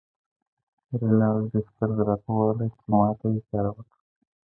رینالډي سترګه راته ووهله چې ما ته یې اشاره وکړه.